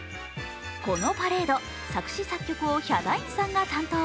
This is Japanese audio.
このパレード、作詞・作曲をヒャダインさんが担当。